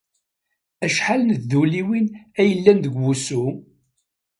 Acḥal n tduliwin ay yellan deg wusu?